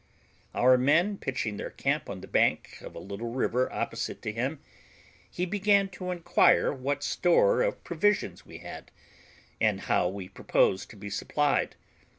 Our men pitching their camp on the bank of a little river opposite to him, he began to inquire what store of provisions we had, and how we proposed to be supplied.